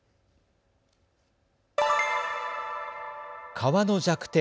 川の弱点